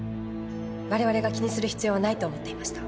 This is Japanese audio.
我々が気にする必要はないと思っていました。